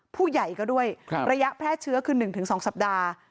ผู้ใหญ่ก็ด้วยระยะแพร่เชื้อคือ๑๒สัปดาห์